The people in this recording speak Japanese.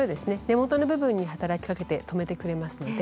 根元の部分に働きかけて止めてくれます。